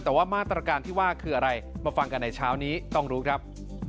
แต่ว่ามาตรการที่ว่าคืออะไรมาฟังกันในเช้านี้ต้องรู้ครับ